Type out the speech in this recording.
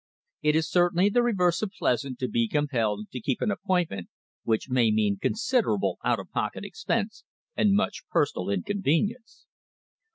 It is certainly the reverse of pleasant to be compelled to keep an appointment which may mean considerable out of pocket expense and much personal inconvenience.